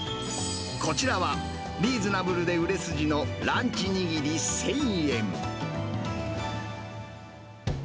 こちらは、リーズナブルで売れ筋のランチ握り１０００円。